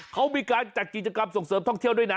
เขามีการจัดกิจกรรมส่งเสริมท่องเที่ยวด้วยนะ